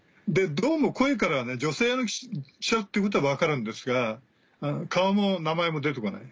どうも声からは女性の記者ってことは分かるんですが顔も名前も出て来ない。